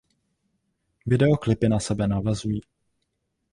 Videoklipy na sebe navazují.